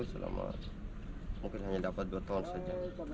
selama mungkin hanya dapat dua ton saja